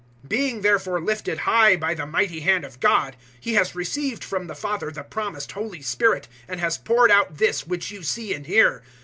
002:033 "Being therefore lifted high by the mighty hand of God, He has received from the Father the promised Holy Spirit and has poured out this which you see and hear.